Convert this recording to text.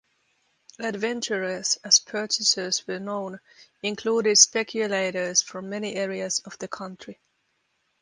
"Adventurers", as purchasers were known, included speculators from many areas of the country.